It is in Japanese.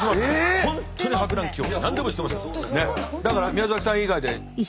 だから宮崎さん以外で。